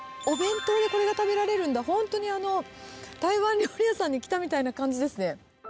お弁当でこれが食べられるんだ、本当に台湾料理屋さんに来たみたいな感じですね。